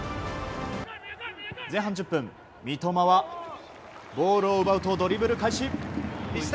前半１０分、三笘はボールを奪うとドリブル開始！